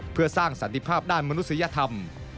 เพื่อสร้างสันติภาพด้านมนุษยธรรม